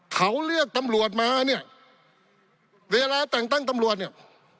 เขาเรียกตำรวจมาเนี่ยเวลาแต่งตั้งตำรวจเนี่ย